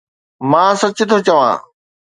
مان سچ ٿو چوان